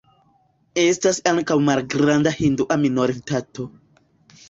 Estas ankaŭ malgranda hindua minoritato.